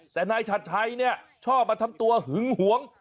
แต่นายชัดชัยเนี่ยชอบมาทำตัวหึงหวง